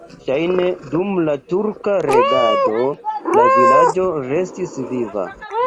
Ŝajne dum la turka regado la vilaĝo restis viva.